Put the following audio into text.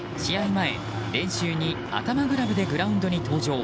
前、練習に頭グラブでグラウンドに登場。